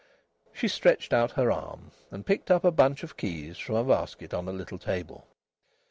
She stretched out her arm, and picked up a bunch of keys from a basket on a little table.